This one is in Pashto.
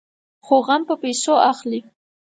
خو غم په پيسو اخلي.